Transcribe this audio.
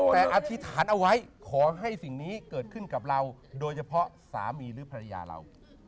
แต่อธิษฐานเอาไว้ขอให้สิ่งนี้เกิดขึ้นกับเราโดยเฉพาะสามีหรือภรรยาเรา